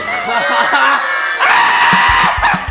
aduh pak de pak de